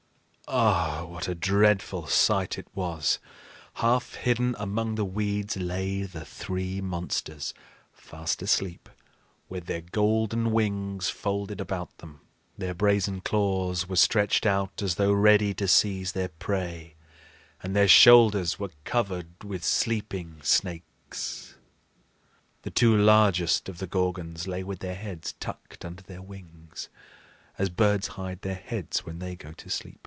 Ah, what a dreadful sight it was! Half hidden among the weeds lay the three monsters, fast asleep, with their golden wings folded about them. Their brazen claws were stretched out as though ready to seize their prey; and their shoulders were covered with sleeping snakes. The two largest of the Gorgons lay with their heads tucked under their wings as birds hide their heads when they go to sleep.